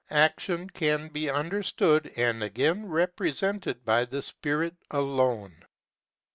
Action can be under stood and again represented by the spirit alone.